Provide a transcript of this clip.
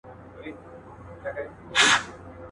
سندرغاړي نڅاگاني او سازونه.